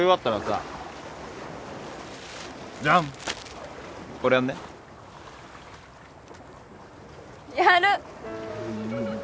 うん。